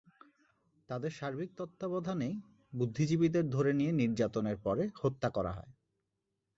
তাঁদের সার্বিক তত্ত্বাবধানে বুদ্ধিজীবীদের ধরে নিয়ে নির্যাতনের পরে হত্যা করা হয়।